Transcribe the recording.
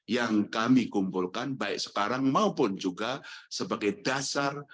yang kami kumpulkan baik sekarang maupun juga sebagai dasar